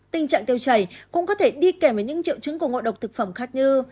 tình trạng tiêu chảy cũng có thể đi kèm với những triệu chứng của ngộ độc thực phẩm khác như